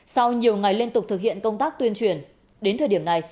sau nhiều ngày liên tục thực hiện công tác tuyên truyền đến thời điểm này